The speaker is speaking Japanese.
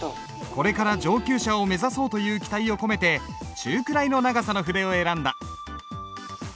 これから上級者を目指そうという期待を込めて中くらいの長さの筆を選んだ。